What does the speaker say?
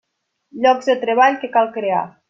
Llocs de treball que cal crear.